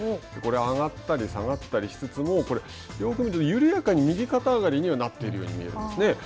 上がったり下がったりしつつもよく見ると緩やかに右肩上がりにはなっているように見えるんですね。